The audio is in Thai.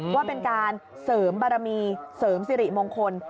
ว่าเป็นการเสริมบารมีเสริมสิริมงคล